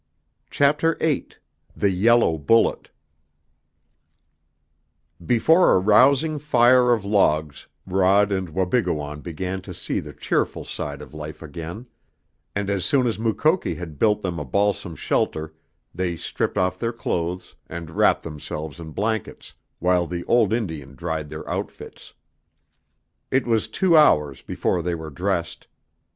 CHAPTER VIII THE YELLOW BULLET Before a rousing fire of logs Rod and Wabigoon began to see the cheerful side of life again, and as soon as Mukoki had built them a balsam shelter they stripped off their clothes and wrapped themselves in blankets, while the old Indian dried their outfits. It was two hours before they were dressed.